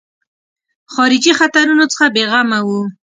خارجي خطرونو څخه بېغمه وو.